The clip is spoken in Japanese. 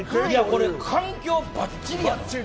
これ環境、ばっちりやな。